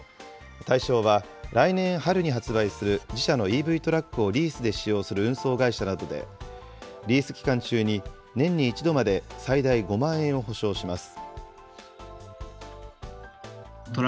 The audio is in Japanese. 対象は来年春に発売する自社のＥＶトラックをリースで使用する運送会社などで、リース期間中に年に１度まで最大５万円を補償します。